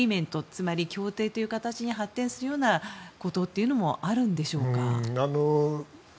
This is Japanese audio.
つまり協定という形に発展するようなこともあるんでしょうか。